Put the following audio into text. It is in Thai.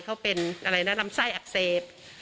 เขาเป็นอะไรนะลำไส้อักเสบ